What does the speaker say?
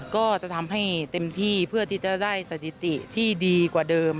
ก็จะทำให้เต็มที่เพื่อที่จะได้สถิติที่ดีกว่าเดิม